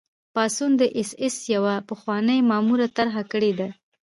پاڅون د اېس ایس یوه پخواني مامور طرح کړی دی